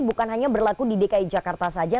bukan hanya berlaku di dki jakarta saja